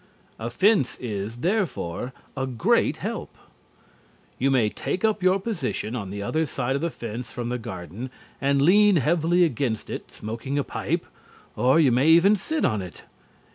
A fence is, therefore, a great help. You may take up your position on the other side of the fence from the garden and lean heavily against it smoking a pipe, or you may even sit on it.